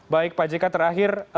baik pak jk terakhir